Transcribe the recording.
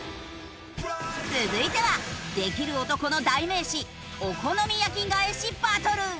続いてはできる男の代名詞お好み焼き返しバトル。